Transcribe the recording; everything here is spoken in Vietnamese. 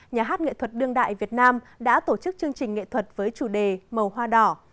nhà hát nghệ thuật đương đại việt nam đã tổ chức chương trình nghệ thuật với chủ đề màu hoa đỏ